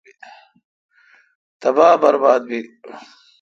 تبا برباد بیل۔